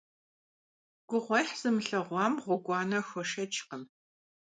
Гугъуехь зымылъэгъуам гъуэгуанэ хуэшэчкъым.